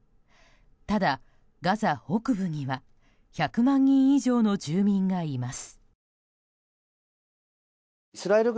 ただ、ガザ北部には１００万人以上の住民がいます。